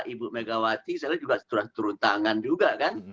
ibu megawati saya lihat juga turut turut tangan juga